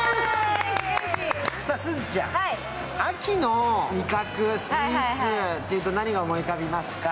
さあすずちゃん、秋の味覚、スイーツというと何が思い浮かびますか？